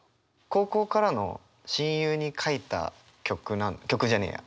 高校からの親友に書いた曲なん曲じゃねえや！